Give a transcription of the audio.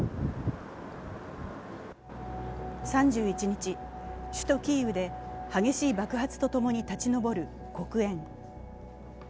３１日、首都キーウで激しい爆発とともに立ち上る黒煙。